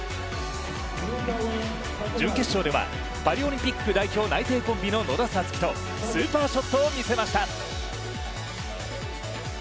準決勝では、パリオリンピック代表内定コンビの野田紗月とスーパーショットを見せました。